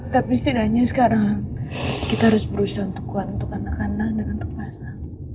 tapi setidaknya sekarang kita harus berusaha untuk kuat untuk anak anak dan untuk pasar